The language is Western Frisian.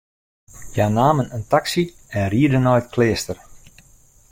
Hja namen in taksy en rieden nei it kleaster.